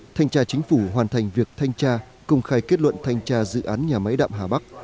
thanh tra chính phủ hoàn thành việc thanh tra công khai kết luận thanh tra dự án nhà máy đạm hà bắc